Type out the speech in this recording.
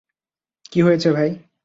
কি হয়েছে ভাই?